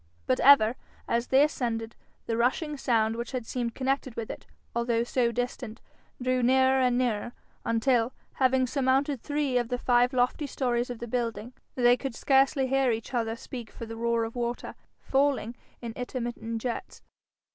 But ever, as they ascended, the rushing sound which had seemed connected with it, although so distant, drew nearer and nearer, until, having surmounted three of the five lofty stories of the building, they could scarcely hear each other speak for the roar of water, falling in intermittent jets.